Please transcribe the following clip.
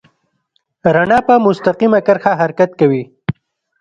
رڼا په مستقیمه کرښه حرکت کوي.